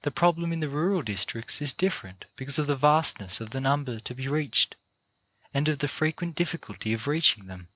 The problem in the rural districts is difficult because of the vastness of the number to be reached, and of the frequent difficulty of reaching them.